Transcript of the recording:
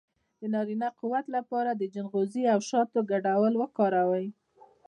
د نارینه قوت لپاره د چلغوزي او شاتو ګډول وکاروئ